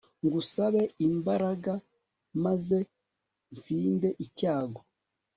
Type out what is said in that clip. ngusabe imbaraga maze nsinde icyago